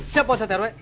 siap pak ustadz rw